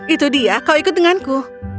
itu dia kau ikut denganku